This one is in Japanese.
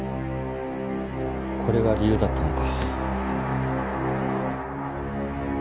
これが理由だったのか。